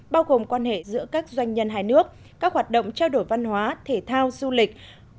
bao gồm quan hệ giữa các doanh nhân hai nước các hoạt động trao đổi văn hóa thể thao du lịch